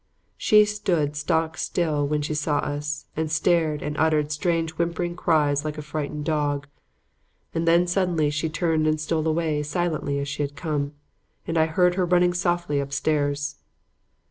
She stood stock still when she saw us and stared and uttered strange whimpering cries like a frightened dog. And then, suddenly, she turned and stole away silently as she had come, and I heard her running softly upstairs.